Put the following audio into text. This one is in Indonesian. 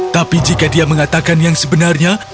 tapi jika dia mengatakan yang sebenarnya